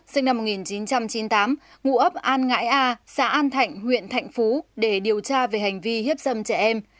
sinh năm một nghìn chín trăm chín mươi tám ngụ ấp an ngãi a xã an thạnh huyện thạnh phú để điều tra về hành vi hiếp dâm trẻ em